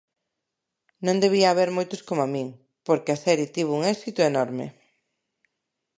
Non debía haber moitos coma min, porque a serie tivo un éxito enorme.